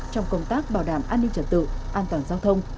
trong công tác bảo đảm an ninh trật tự an toàn giao thông